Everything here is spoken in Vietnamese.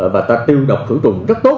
và ta tiêu độc thử trùng rất tốt